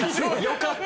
よかった。